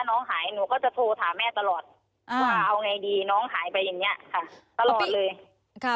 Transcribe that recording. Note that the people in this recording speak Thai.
น้องหายหนูก็จะโทรถามแม่ตลอดว่าเอาไงดีน้องหายไปอย่างเงี้ยค่ะตลอดเลยค่ะ